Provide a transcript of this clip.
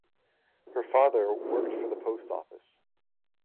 Her father worked for the post office.